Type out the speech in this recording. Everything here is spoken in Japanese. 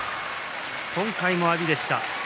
今回も阿炎でした。